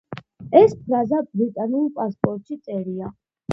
ეს ფრაზა ბრიტანულ პასპორტში წერია.